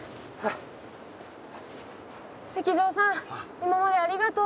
今までありがとう。